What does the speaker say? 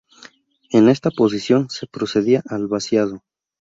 En esta posición, se procedía al vaciado.